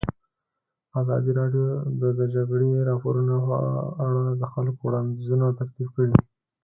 ازادي راډیو د د جګړې راپورونه په اړه د خلکو وړاندیزونه ترتیب کړي.